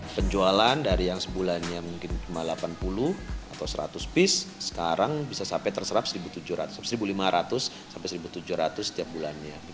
penjualan dari yang sebulannya mungkin cuma delapan puluh atau seratus piece sekarang bisa sampai terserap satu lima ratus sampai satu tujuh ratus setiap bulannya